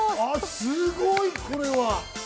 すごいこれは。